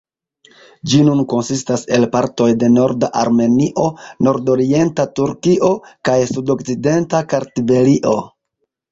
Ĝi nun konsistas el partoj de norda Armenio, nordorienta Turkio, kaj sudokcidenta Kartvelio.